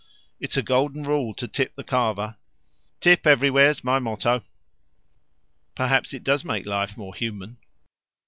"It's a golden rule to tip the carver. Tip everywhere's my motto." "Perhaps it does make life more human."